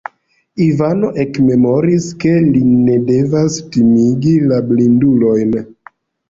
Ivano ekmemoris, ke li ne devas timigi la blindulojn.